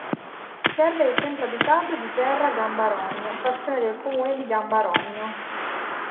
Serve il centro abitato di Gerra Gambarogno, frazione del comune di Gambarogno.